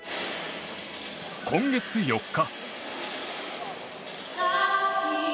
今月４日。